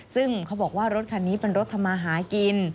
ซึ่งเขาบอกว่ารถคันนี้เป็นรถทำมาหากิน